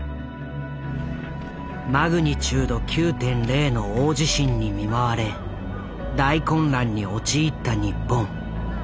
マグニチュード９．０の大地震に見舞われ大混乱に陥った日本。